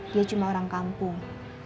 dia cuma orang kampung